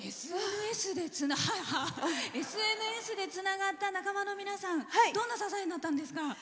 ＳＮＳでつながった仲間の皆さんどんな支えになったんですか？